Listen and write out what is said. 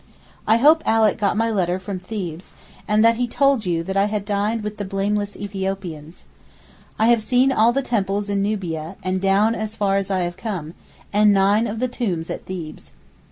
I hope Alick got my letter from Thebes, and that he told you that I had dined with 'the blameless Ethiopians.' I have seen all the temples in Nubia and down as far as I have come, and nine of the tombs at Thebes.